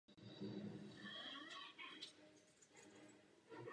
Film se odehrává v blízké budoucnosti v Anglii.